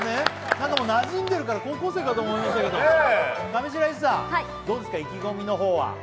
何か、なじんでいるから高校生かと思いましたけど、上白石さん、どうですか、意気込みの方は。